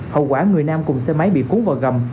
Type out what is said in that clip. hậu quả người nam cùng xe máy bị cuốn vào gầm